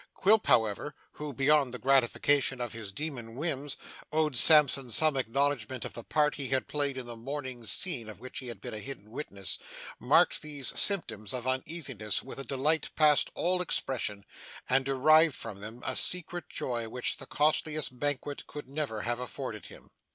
Quilp, however who, beyond the gratification of his demon whims, owed Sampson some acknowledgment of the part he had played in the mourning scene of which he had been a hidden witness, marked these symptoms of uneasiness with a delight past all expression, and derived from them a secret joy which the costliest banquet could never have afforded him.